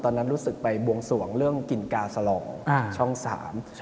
ตอนนั้นรู้สึกไปบวงสวงเรื่องกินกาสลองอ่าช่องสาม